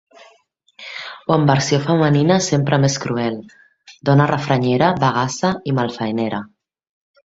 O en versió femenina, sempre més cruel: "dona refranyera, bagassa i malfaenera".